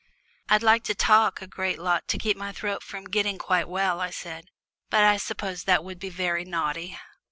"I'd like to talk a great lot to keep my throat from getting quite well," I said, "but I suppose that would be very naughty."